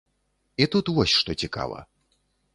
І тут вось што цікава.